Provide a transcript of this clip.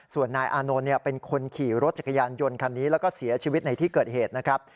ส่วนนายอานนท์เป็นคนขี่รถจักรยานยนต์คันนี้แล้วก็เสียชีวิตในที่เกิดเหตุนะครับ